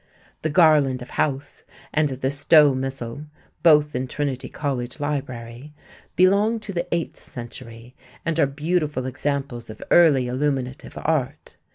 The Garland of Howth and the Stowe Missal (both in Trinity College Library) belong to the eighth century and are beautiful examples of early illuminative art.